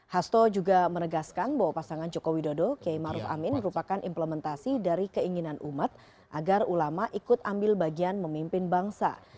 hasto juga menegaskan bahwa pasangan joko widodo kiai maruf amin merupakan implementasi dari keinginan umat agar ulama ikut ambil bagian memimpin bangsa